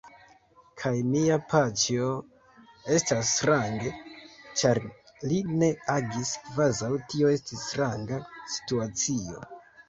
Kaj mia paĉjo... estas strange ĉar li ne agis kvazaŭ tio estis stranga situacio.